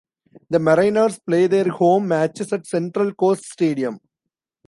The Mariners play their home matches at Central Coast Stadium.